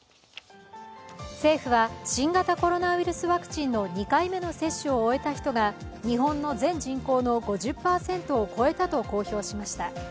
政府は新型コロナウイルスワクチンの２回目の接種を終えた人が日本の全人口の５０％を超えたと公表しました。